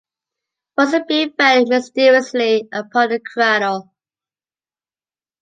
Once a beam fell mysteriously upon the cradle.